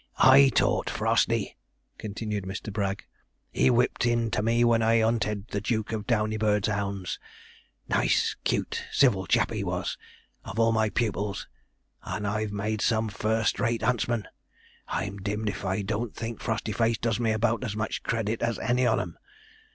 I taught Frosty,' continued Mr. Bragg. 'He whipped in to me when I 'unted the Duke of Downeybird's 'ounds nice, 'cute, civil chap he was of all my pupils and I've made some first rate 'untsmen, I'm dim'd if I don't think Frostyface does me about as much credit as any on 'em.